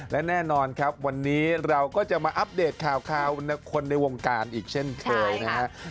และแน่นอนครับวันนี้เราก็จะมาอัปเดตข่าวคนในวงการอีกเช่นเคยนะครับ